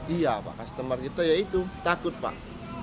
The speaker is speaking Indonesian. iya pak customer kita ya itu takut pak